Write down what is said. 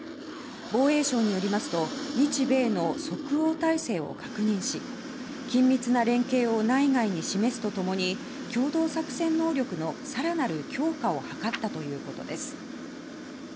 防衛省によりますと日米の即応態勢を確認し緊密な連携を内外に示すとと共に共同作戦能力の更なる強化を図ったということです。